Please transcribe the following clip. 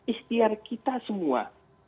istiar kita semua